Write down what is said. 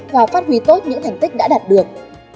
và phát huy tốt những thành tích đã đạt được